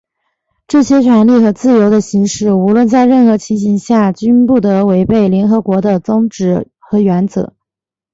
这些权利和自由的行使,无论在任何情形下均不得违背联合国的宗旨和原则。